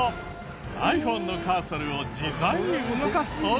ｉＰｈｏｎｅのカーソルを自在に動かす方法。